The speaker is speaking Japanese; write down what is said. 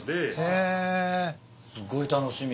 すごい楽しみ。